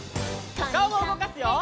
おかおもうごかすよ！